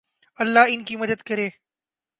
اللہ ان کی مدد کرے